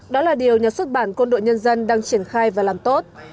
đó là điều nhà xuất bản quân đội nhân dân đang triển khai và làm tốt